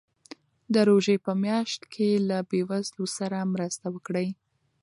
د روژې په میاشت کې له بېوزلو سره مرسته وکړئ.